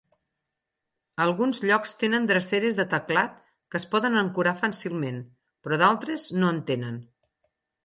Alguns llocs tenen dreceres de teclat que es poden ancorar fàcilment, però d'altres, no en tenen.